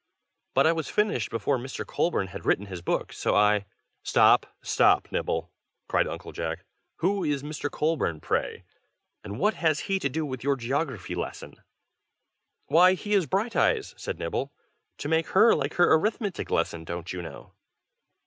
But I finished before Mr. Colburn had written his books, so I " "Stop! stop! Nibble!" cried Uncle Jack. "Who is Mr. Colburn, pray? and what has he to do with your geography lesson?" "Why, he is Brighteyes!" said Nibble. "To make her like her arithmetic lesson, don't you know?"